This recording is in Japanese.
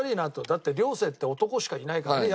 だって寮生って男しかいないからね。